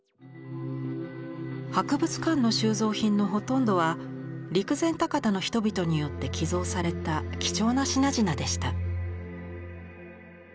博物館の収蔵品のほとんどは陸前高田の人々によって寄贈された貴重な品々でした。